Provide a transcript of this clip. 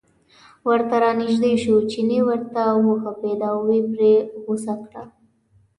ورته را نژدې شو، چیني ورته و غپېده او یې پرې غوسه وکړه.